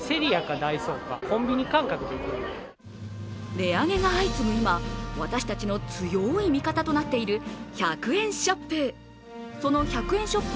値上げが相次ぐ今、私たちの強い味方となっている１００円ショップ。